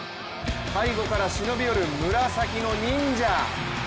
背後から忍び寄る紫の忍者。